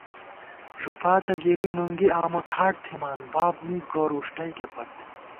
ݫُپاتہ گِرِی نُنگی آمہ کھاٹ تِھمان باب می گور وُݭٹئیکے پت